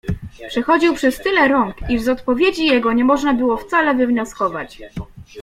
Przechodził przez tyle rąk, iż z odpowiedzi jego nie było można wcale wywnioskować.